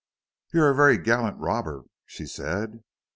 "You're a very gallant robber," she said.